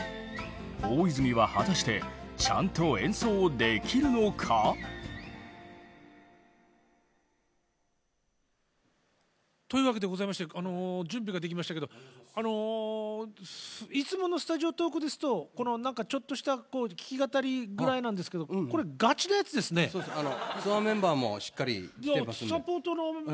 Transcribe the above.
大泉は果たしてちゃんと演奏できるのか？というわけでございましてあの準備ができましたけどあのいつものスタジオトークですとこの何かちょっとした弾き語りぐらいなんですけどツアーメンバーもしっかり来てますんで。